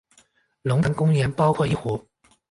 龙潭公园包括一湖。